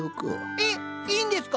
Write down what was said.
えっいいんですか？